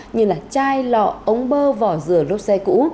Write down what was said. như là chai lọ ống bơ vỏ rửa lốt xe cũ